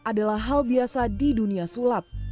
adalah hal biasa di dunia sulap